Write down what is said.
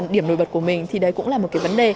điểm nổi bật của mình thì đấy cũng là một cái vấn đề